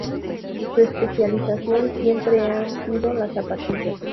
Su especialización siempre han sido las zapatillas.